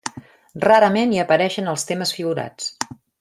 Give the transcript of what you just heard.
Rarament hi apareixen els temes figurats.